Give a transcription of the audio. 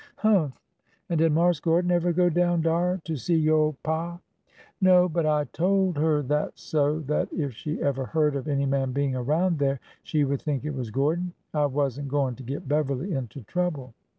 '' Humph ! an' did Marse Gordon ever go down dar to see yo' paw ?"'' No, but I told her that so that if she ever heard of any man being around there she would think it was Gor don. I was n't going to get Beverly into trouble."